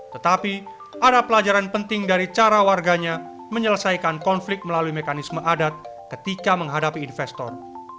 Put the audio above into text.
tetapi ada pelajaran penting dari cara warganya menyelesaikan konflik melalui mekanisme adat ketika menghadapi investor